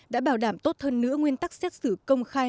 đã bảo đảm tốt hơn nữa nguyên tắc xét xử công khai